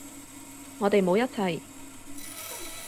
我哋冇一齊